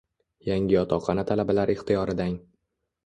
Yangi yotoqxona talabalar ixtiyoridang